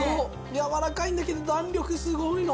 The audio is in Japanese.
やわらかいんだけど弾力すごいの。